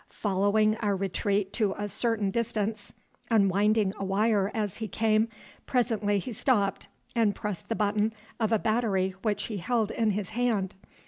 Following our retreat to a certain distance, unwinding a wire as he came, presently he stopped and pressed the button of a battery which he held in his hand.